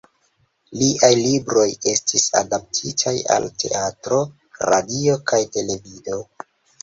Liaj libroj estis adaptitaj al teatro, radio kaj televido.